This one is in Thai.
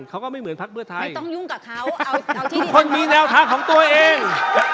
เขาก็ไม่เหมือนพักเพื่อไทยไม่ต้องยุ่งกับเขาทุกคนมีแนวทางของตัวเอง